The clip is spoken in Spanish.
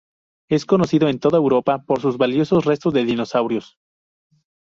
Es conocido en toda Europa por sus valiosos restos de dinosaurios.